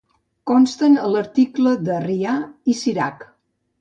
Consten a l'article de Rià i Cirac.